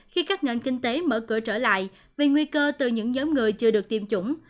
khi các nền kinh tế mở cửa trở lại vì nguy cơ từ những nhóm người chưa được tiêm chủng